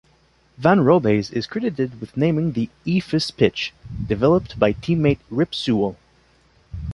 Van Robays is credited with naming the "eephus pitch", developed by teammate Rip Sewell.